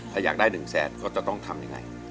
ถ้าอยากได้๑แสนก็จะต้องทำยังไง